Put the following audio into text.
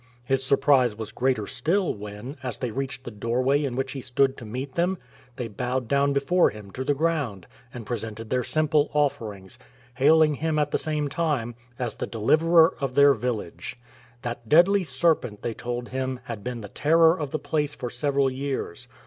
His surprise was greater still when, as they reached the doorway in which he stood to meet them, they bowed down before him to the ground and presented their simple offerings, hailing him at the same time as the deliverer of their village. That deadly serpent, they told him, had been the terror of the place for several years.